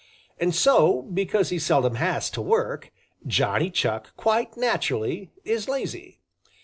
And so, because he seldom has to work, Johnny Chuck quite naturally is lazy.